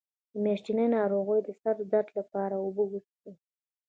د میاشتنۍ ناروغۍ د سر درد لپاره اوبه وڅښئ